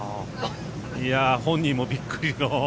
本人もびっくりの。